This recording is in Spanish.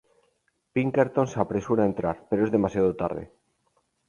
Pinkerton se apresura a entrar, pero es demasiado tarde.